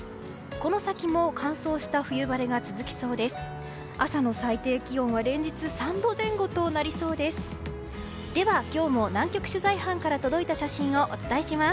この先も乾燥した冬晴れが続きそうです。